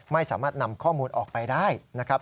ไม่สามารถนำข้อมูลออกไปได้นะครับ